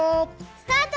スタート！